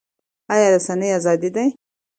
آیا رسنۍ ازادې دي؟